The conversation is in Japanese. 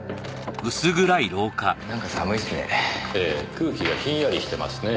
空気がひんやりしてますねぇ。